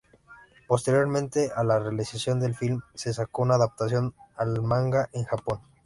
Posteriormente a la realización del filme, se sacó una adaptación al manga en Japón.